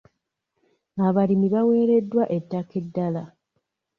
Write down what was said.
Abalimi baweereddwa ettaka eddala.